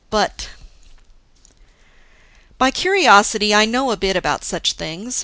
But By curiosity, I know a bit about such things.